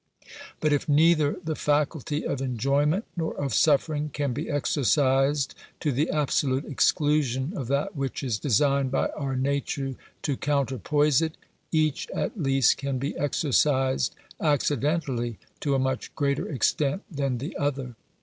But if neither the faculty of enjoyment nor of suffering can be exercised to the absolute exclusion of that which is designed by our nature to counterpoise it, each at least can be exercised accidentally to a much greater extent than the other.